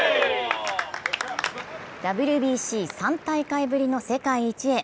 ＷＢＣ、３大会ぶりの世界一へ。